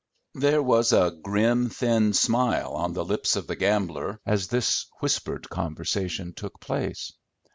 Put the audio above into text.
There was a grim thin smile on the lips of the gambler as this whispered conversation took place.